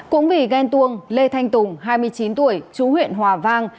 cũng vì ghen tuông lê thanh tùng hai mươi chín tuổi chú huyện hòa vang